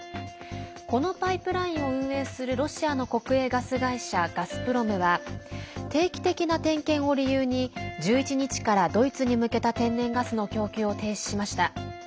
このパイプラインを運営するロシアの国営ガス会社ガスプロムは定期的な点検を理由に１１日からドイツに向けた天然ガスの供給を停止しました。